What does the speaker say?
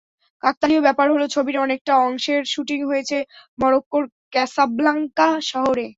কাকতালীয় ব্যাপার হলো ছবির অনেকটা অংশের শুটিং হয়েছে মরক্কোর ক্যাসাব্ল্যাঙ্কা শহরে।